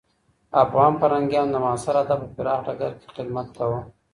افغان فرهنګيانو د معاصر ادب په پراخ ډګر کي خدمت کاوه.